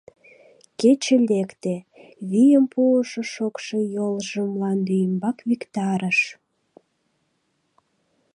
Кече лекте, вийым пуышо шокшо йолжым мланде ӱмбак виктарыш.